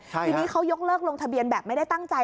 ทีนี้เขายกเลิกลงทะเบียนแบบไม่ได้ตั้งใจ